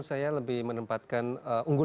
saya lebih menempatkan unggul